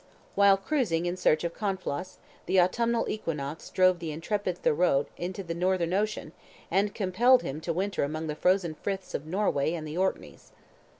While cruising in search of Conflaus, the autumnal equinox drove the intrepid Thurot into the Northern ocean, and compelled him to winter among the frozen friths of Norway and the Orkneys.